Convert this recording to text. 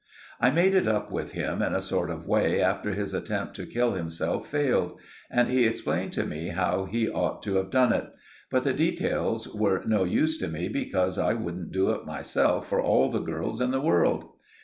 I made it up with him in a sort of way after his attempt to kill himself failed; and he explained to me how he ought to have done it; but the details were no use to me, because I wouldn't do it myself for all the girls in the world.